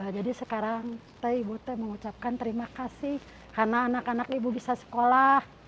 jadi sekarang teh ibu teh mengucapkan terima kasih karena anak anak ibu bisa sekolah